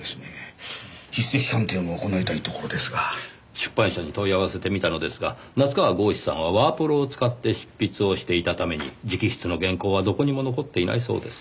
出版社に問い合わせてみたのですが夏河郷士さんはワープロを使って執筆をしていたために直筆の原稿はどこにも残っていないそうです。